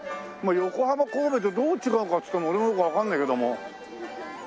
横浜神戸とどう違うかっつっても俺もよくわかんないけども。